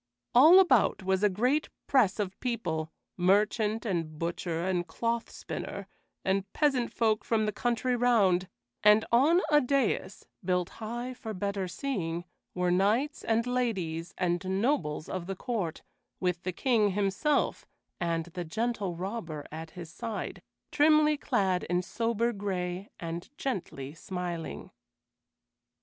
All about was a great press of people, merchant and butcher and cloth spinner, and peasant folk from the country round; and on a dais, built high for better seeing, were knights and ladies and nobles of the court, with the King himself, and the Gentle Robber at his side, trimly clad in sober gray and gently smiling.